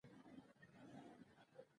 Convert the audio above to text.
رسول الله صلی الله علیه وسلم فرمایلي دي